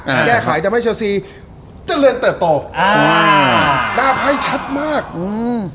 อ่าแก้ไขแต่ไม่เชียวซีเจริญเติบต่ออ่าหน้าไพ่ชัดมากอืม